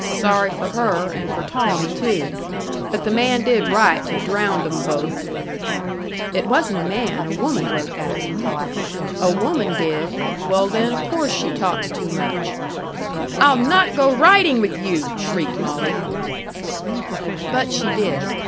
Sorry for her, and for Tawmmy, too. But the man did right to drownd 'em both." "It wasn't a man. A woman wrote that." "A woman did! Well, then, o' course she talks too much." "I'll not go riding with you!" shrieked Molly. But she did.